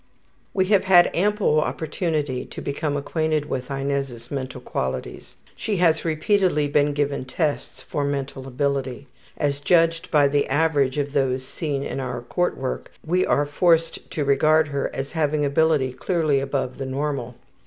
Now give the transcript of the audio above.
We have had ample opportunity to become acquainted with Inez's mental qualities. She has repeatedly been given tests for mental ability. As judged by the average of those seen in our court work we are forced to regard her as having ability clearly above the normal.